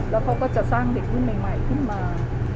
แล้วเขาก็จะสร้างเด็กรุ่นใหม่ขึ้นมา